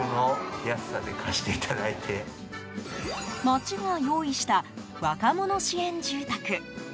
町が用意した若者支援住宅。